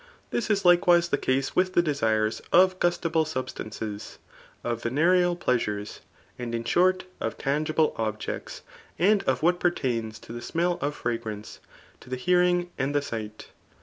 This is likewise the case with clift desiiw of gustable substances, of venereal pleasures^ and in shoif pf tangiUe objects, and of what pertains to the smell ^ fn^rance^ to the hearing and the sight.